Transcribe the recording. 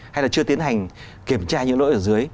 hay là chưa tiến hành kiểm tra những lỗi ở dưới